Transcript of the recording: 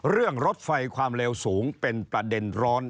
เรื่องรถไฟความเร็วสูงเป็นประเด็นร้อน